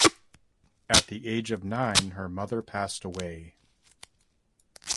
At the age of nine her mother passed away.